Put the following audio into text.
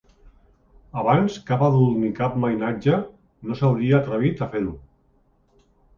Abans cap adult ni cap mainatge no s’hauria atrevit a fer-ho.